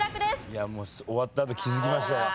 いや終わったあと気づきましたよ。